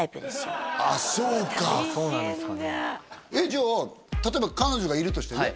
じゃあ例えば彼女がいるとしてね